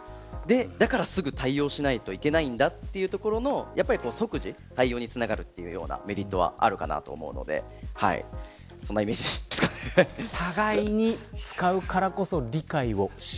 だからすぐ対応しないといけないんだ、というところのやっぱり即時対応につながるというようなメリットはあるかなと思うのでそんなイメージですかね。